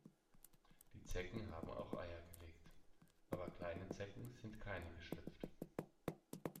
Die Zecken haben auch Eier gelegt, aber kleine Zecken sind keine geschlüpft.